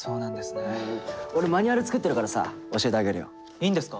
いいんですか？